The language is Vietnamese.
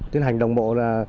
tiến hành đồng bộ